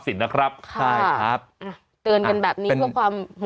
โอ้โหโอ้โห